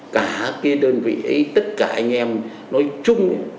cả cái đơn vị ấy tất cả anh em nói chung